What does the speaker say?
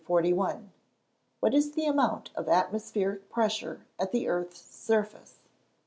_What is the amount of atmospheric pressure at the earth's surface?